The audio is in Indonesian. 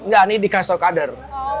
enggak ini dikasih toko kader